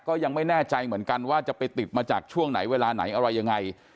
ก็ยังไม่แน่ใจเหมือนกันว่าจะไปติดมาจากช่วงไหนเวลาไหนอะไรยังไง